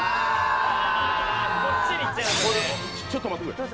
これ、ちょっと待ってくれ。